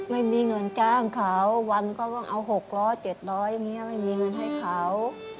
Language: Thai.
ไม่มีเงินจ้างเขาวันก็ต้องเอาหกล้อเจ็ดล้อยอย่างนี้ไม่มีเงินให้เขา